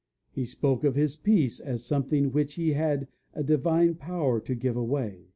He spoke of his peace as something which he had a divine power to give away.